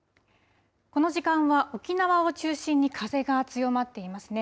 この時間は沖縄を中心に風が強まっています。